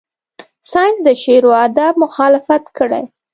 ساینس د شعر و ادب مخالفت کړی.